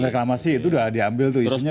reklamasi itu udah diambil tuh isunya